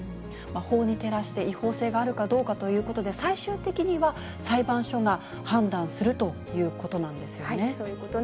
法に照らして、違法性があるかどうかということで、最終的には裁判所が判断するそういうことなんですね。